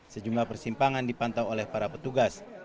sejumlah persimpangan dipantau oleh para petugas